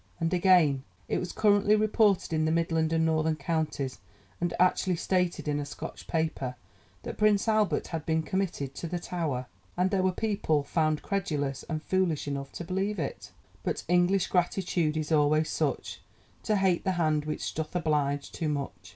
And again: "It was currently reported in the Midland and Northern counties, and actually stated in a Scotch paper, that Prince Albert had been committed to the Tower, and there were people found credulous and foolish enough to believe it." But English gratitude is always such To hate the hand which doth oblige too much.